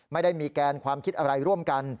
ไม่ได้มีแกนความคิดอะไรร่วมกัน